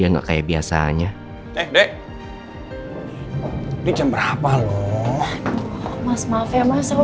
engga ada yang mana tadi bertumpu